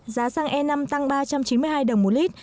giá xăng e năm tăng ba trăm chín mươi hai đồng một lít